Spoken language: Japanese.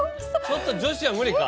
ちょっと女子は無理か。